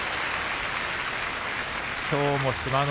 きょうも志摩ノ